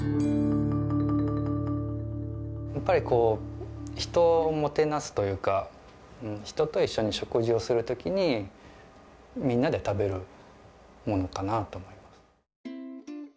やっぱりこう人をもてなすというか人と一緒に食事をする時にみんなで食べるものかなあと思います。